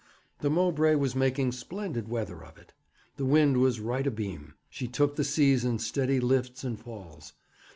The Mowbray was making splendid weather of it. The wind was right abeam. She took the seas in steady lifts and falls.